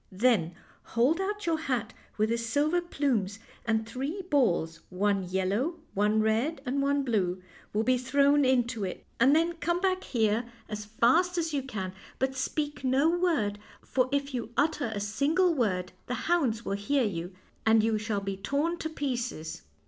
Then hold out your hat with the silver plumes, and three balls one yellow, one red, and one blue 1 will be thrown into it. And then come back here as fast 132 FAIRY TALES as you can ; but speak no word, for if you utter a single word the hounds will hear you, and you shall be torn to pieces."